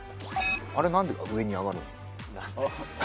あれなんで上に上がるの？